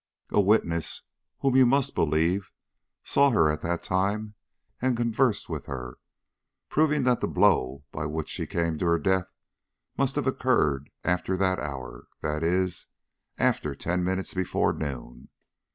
A witness, whom you must believe, saw her at that time and conversed with her, proving that the blow by which she came to her death must have occurred after that hour, that is, after ten minutes before noon.